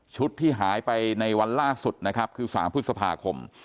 ที่หายไปในวันล่าสุดนะครับคือ๓พฤษภาคม